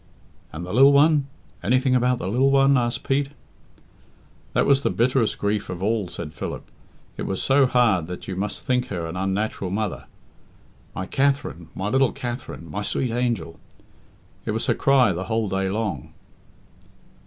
"And the lil one anything about the lil one?" asked Pete. "That was the bitterest grief of all," said Philip. "It was so hard that you must think her an unnatural mother. 'My Katherine! My little Katherine! My sweet angel!' It was her cry the whole day long."